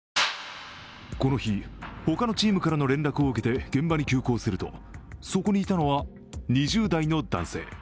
この日、他のチームからの連絡を受けて現場に急行するとそこにいたのは２０代の男性。